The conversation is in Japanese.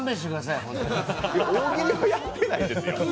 いや、大喜利をやってないんですよ。